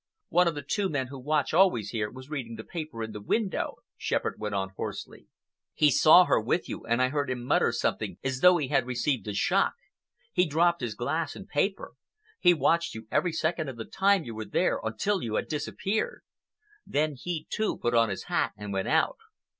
"One of the two men who watch always here was reading the paper in the window," Shepherd went on hoarsely. "He saw her with you and I heard him mutter something as though he had received a shock. He dropped his glass and his paper. He watched you every second of the time you were there until you had disappeared. Then he, too, put on his hat and went out."